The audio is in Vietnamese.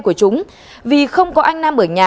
của chúng vì không có anh nam ở nhà